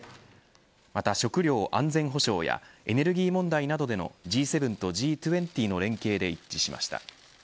また、食料安全保障やエネルギー問題などでのＧ７とＧ２０の連携で一致しました。